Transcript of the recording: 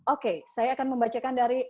oke saya akan membacakan dari